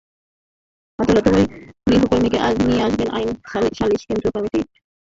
আদালতে ওই গৃহকর্মীকে আজ নিয়ে আসেন আইন ও সালিশ কেন্দ্রের মাঠকর্মী শাসসুন্নাহার।